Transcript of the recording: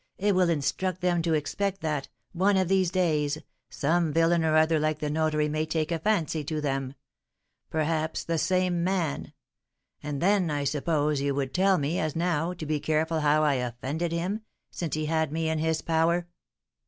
It will instruct them to expect that, one of these days, some villain or other like the notary may take a fancy to them, perhaps the same man; and then, I suppose, you would tell me, as now, to be careful how I offended him, since he had me in his power.